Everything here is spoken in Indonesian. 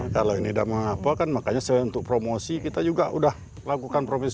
kalau ini tidak mengapa kan makanya selain untuk promosi kita juga sudah lakukan promosi